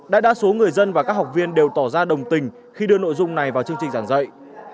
đại đa số người dân và các học viên đều tỏ ra đồng tình khi đưa nội dung này vào chương trình giảng dạy